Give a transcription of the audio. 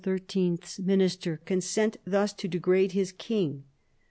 's Minister consent thus to degrade his King.